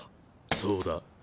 そうだ。